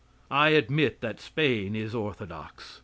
I admit that Spain is orthodox.